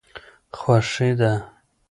خوښي ده.